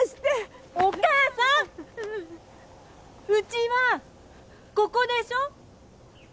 うちはここでしょ。